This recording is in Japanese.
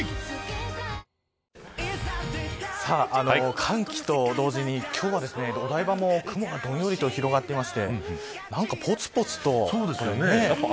寒気と同時に、今日はお台場も雲がどんよりと広がっていてなんか、ぽつぽつと雨。